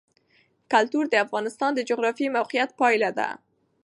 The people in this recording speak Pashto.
کلتور د افغانستان د جغرافیایي موقیعت پایله ده.